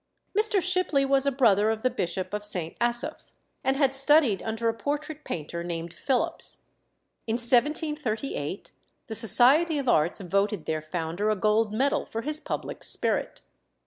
Mr. Shipley was a brother of the Bishop of St. Asaph, and had studied under a portrait painter named Phillips. In 1738 the Society of Arts voted their founder a gold medal for his public spirit.